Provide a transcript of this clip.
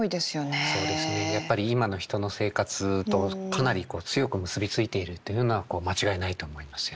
やっぱり今の人の生活とかなり強く結び付いているっていうのは間違いないと思いますよね。